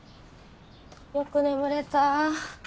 よく眠れた。